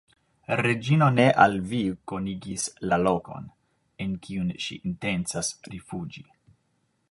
Reĝino ne al vi konigis la lokon, en kiun ŝi intencas rifuĝi.